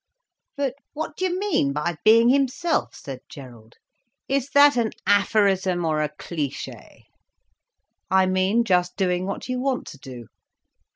"But what do you mean by being himself?" said Gerald. "Is that an aphorism or a cliché?" "I mean just doing what you want to do.